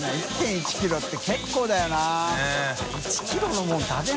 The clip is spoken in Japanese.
１ｋｇって結構だよな。ねぇ。